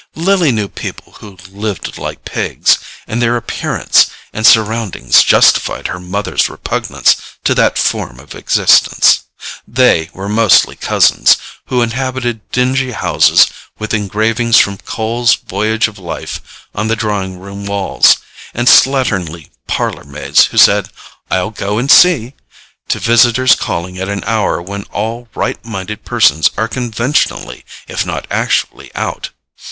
Lily knew people who "lived like pigs," and their appearance and surroundings justified her mother's repugnance to that form of existence. They were mostly cousins, who inhabited dingy houses with engravings from Cole's Voyage of Life on the drawing room walls, and slatternly parlour maids who said "I'll go and see" to visitors calling at an hour when all right minded persons are conventionally if not actually out.